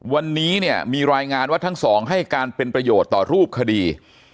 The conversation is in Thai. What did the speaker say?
วันนี้เนี่ยมีรายงานว่าทั้งสองให้การเป็นประโยชน์ต่อรูปคดี